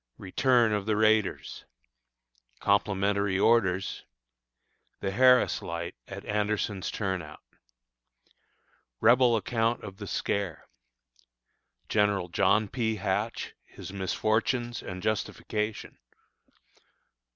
Return of the Raiders. Complimentary Orders. The Harris Light at Anderson's Turnout. Rebel Account of the Scare. General John P. Hatch, his Misfortunes and Justification.